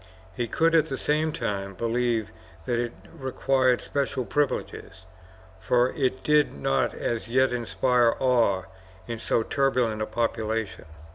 He could, at the same time, believe that it required special privileges, for it did not as yet inspire awe in so turbulent a population.